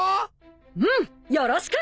うんよろしく！